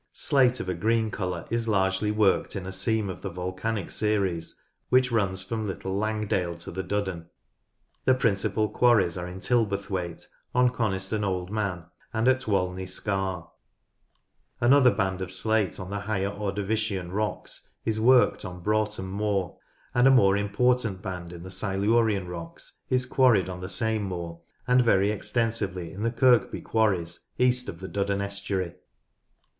Slate of a green colour is largely worked in a seam of the volcanic series which runs from Little Langdale to the Duddon. The principal quarries are in Tilberthwaite, on Coniston Old Man, and at Walney Scar. Another band of slate of the higher Ordovician rocks is worked on Broughton Moor, and a more important band in the Silurian rocks is quarried on the same moor, and very extensively in the Kirkby quarries, east of the Duddon estuary.